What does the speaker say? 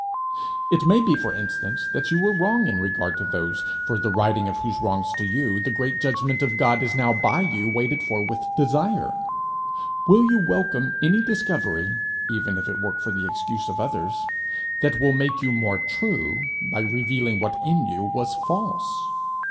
It may be, for instance, that you were wrong in regard to those, for the righting of whose wrongs to you, the great judgment of God is now by you waited for with desire: will you welcome any discovery, even if it work for the excuse of others, that will make you more true, by revealing what in you was false?